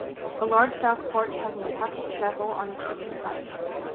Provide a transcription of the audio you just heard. A large south porch has an attached chapel on its eastern side.